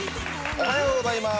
おはようございます。